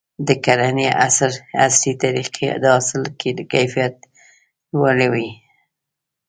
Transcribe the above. د کرنې عصري طریقې د حاصل کیفیت لوړوي.